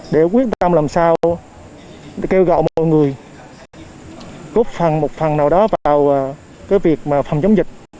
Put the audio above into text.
để quyết tâm làm sao kêu gọi mọi người góp phần một phần nào đó vào việc phòng chống dịch